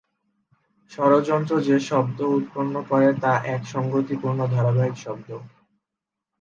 স্বরযন্ত্র যে-শব্দ উৎপন্ন করে, তা এক সংগতিপূর্ণ ধারাবাহিক শব্দ।